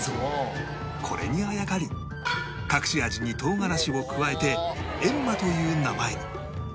これにあやかり隠し味にとうがらしを加えて「閻魔」という名前に